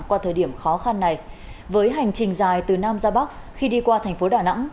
qua thời điểm khó khăn này với hành trình dài từ nam ra bắc khi đi qua thành phố đà nẵng